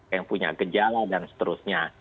yang punya gejala dan seterusnya